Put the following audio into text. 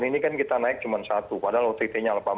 ini kan kita naik cuma satu padahal ott nya delapan belas